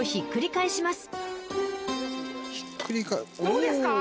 どうですか？